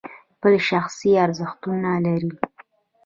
خپل شخصي ارزښتونه لري.